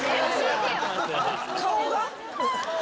顔が。